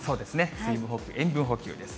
水分補給、塩分補給です。